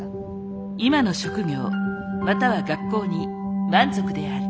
今の職業または学校に満足である。